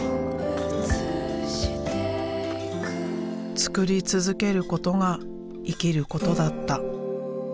作り続けることが生きることだった。